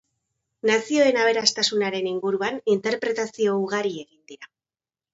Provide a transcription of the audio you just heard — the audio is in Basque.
Nazioen aberastasunaren inguruan interpretazio ugari egin dira.